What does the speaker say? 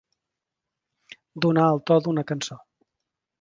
Donar el to d'una cançó.